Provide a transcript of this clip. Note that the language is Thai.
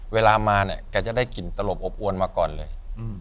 เวลามาเนี่ยแกจะได้กลิ่นตลบอบอวนมาก่อนเลย